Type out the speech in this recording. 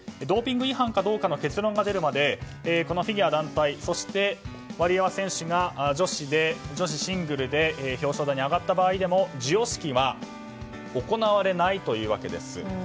ドーピング違反かどうかの結論が出るまでフィギュア団体そしてワリエワ選手が女子シングルで表彰台に上がった場合でも授与式は行われないというわけです。